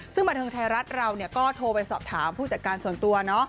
ซึ่งบันเทิงไทยรัฐเราก็โทรไปสอบถามผู้จัดการส่วนตัว